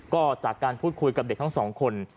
ก็จากการพูดคุยกับเด็กทั้งสองคน